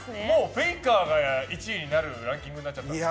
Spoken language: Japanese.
フェイカーが１位になるランキングになってるんですか。